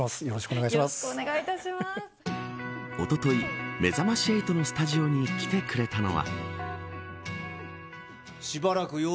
おととい、めざまし８のスタジオに来てくれたのは。